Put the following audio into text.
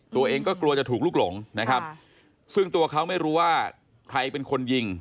ตัวเองก็กลัวจะถูกลุกหลงนะครับซึ่งตัวเขาไม่รู้ว่าใครเป็นคนยิง